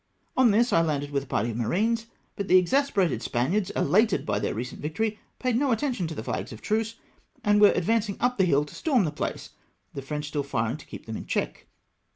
On this I landed with a party of marines, but the exasperated Spaniards, elated by their recent victory, paid no attention to the flags of truce, and were ad vancing up the hill to storm the place, the French still firing to keep them in check.